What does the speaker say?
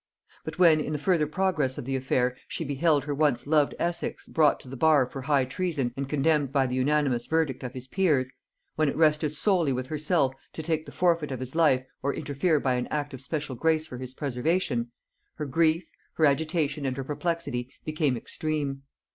But when, in the further progress of the affair, she beheld her once loved Essex brought to the bar for high treason and condemned by the unanimous verdict of his peers; when it rested solely with herself to take the forfeit of his life or interfere by an act of special grace for his preservation, her grief, her agitation and her perplexity became extreme.